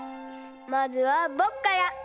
まずはぼくから。